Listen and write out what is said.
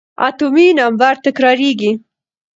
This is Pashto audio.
اتومي نمبر تکرارېږي.